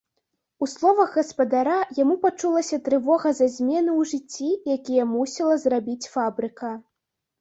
У словах гаспадара яму пачулася трывога за змены ў жыцці, якія мусіла зрабіць фабрыка.